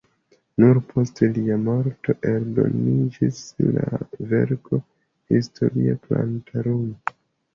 Nur post lia morto eldoniĝis la verko "Historia plantarum".